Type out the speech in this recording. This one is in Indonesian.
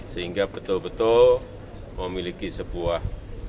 sehingga betul betul memiliki sebuah